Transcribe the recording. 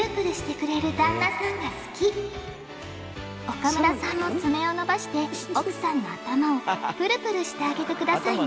岡村さんも爪を伸ばして奥さんの頭をぷるぷるしてあげて下さいね